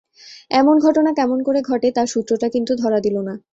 এমন ঘটনা কেমন করে ঘটে, তার সূত্রটা কিন্তু ধরা দিল না।